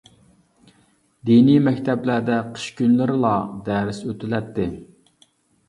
دىنىي مەكتەپلەردە قىش كۈنلىرىلا دەرس ئۆتۈلەتتى.